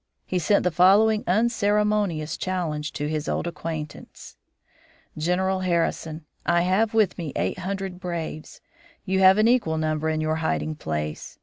He sent the following unceremonious challenge to his old acquaintance: "General Harrison: I have with me eight hundred braves. You have an equal number in your hiding place.